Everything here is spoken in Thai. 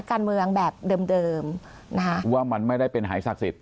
การเมืองแบบเดิมเดิมนะคะว่ามันไม่ได้เป็นหายศักดิ์สิทธ